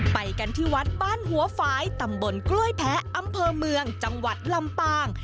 ไปกันที่วัดบ้านหัวฝ่ายตำบลกล้วยแพ้อำเภอเมืองจังหวัดลำปาง